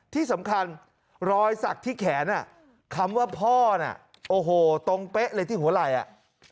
ที่สำคัญรอยสักที่แขนอ่ะคำว่าพ่อน่ะโอ้โหตรงเป๊ะเลยที่หัวไหล่อ่ะ